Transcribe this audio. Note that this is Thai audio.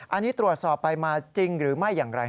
อันนี้ตรวจสอบไปมาจริงหรือไม่อย่างไร